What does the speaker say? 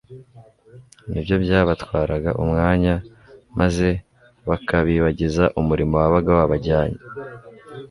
ni byo byabatwaraga umwanya; maze bikabibagiza umurimo wabaga wabajyanye.